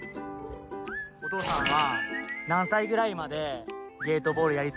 お父さんは。